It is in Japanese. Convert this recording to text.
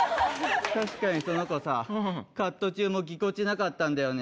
確かにその子さ、カット中もぎこちなかったんだよね。